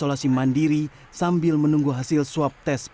tujuh orang pemudik yang menjelaskan